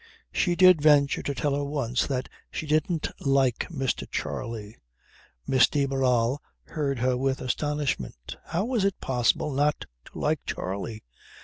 She did venture to tell her once that she didn't like Mr. Charley. Miss de Barral heard her with astonishment. How was it possible not to like Charley?